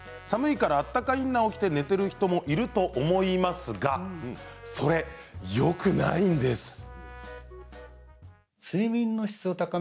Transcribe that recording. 寒いからあったかインナーを着て寝る人もいると思いますがよくないんです。